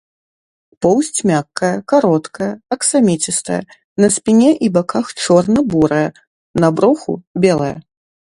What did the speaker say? Поўсць мяккая, кароткая, аксаміцістая, на спіне і баках чорна-бурая, на бруху белая.